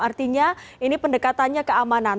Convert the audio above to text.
artinya ini pendekatannya keamanan